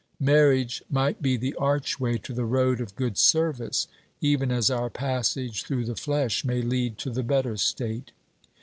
Marriage might be the archway to the road of good service, even as our passage through the flesh may lead to the better state.